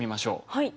はい。